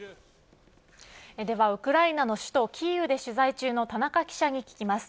ではウクライナの首都キーウで取材中の田中記者に聞きます。